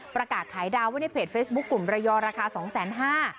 ประกาศขายดาวไว้ในเพจเฟซบุ๊คกลุ่มระยองราคาสองแสนห้า